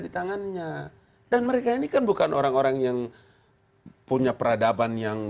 di tangannya dan mereka ini kan bukan orang orang yang punya peradaban yang